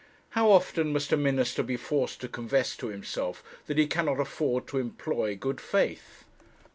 How often must a minister be forced to confess to himself that he cannot afford to employ good faith!